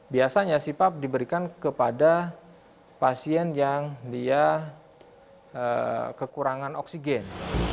biasanya cpap diberikan kepada pasien yang dia kekurangan oksigen